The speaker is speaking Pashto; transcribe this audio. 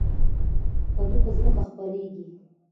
کدو په ځمکه خپریږي